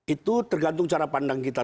itu tergantung cara pandang kita